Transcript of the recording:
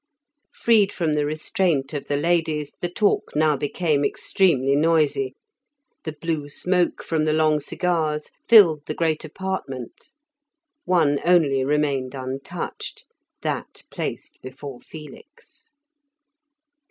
Freed from the restraint of the ladies, the talk now became extremely noisy, the blue smoke from the long cigars filled the great apartment; one only remained untouched, that placed before Felix.